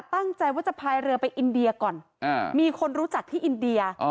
ตั้งใจว่าจะพายเรือไปอินเดียก่อนมีคนรู้จักที่อินเดีย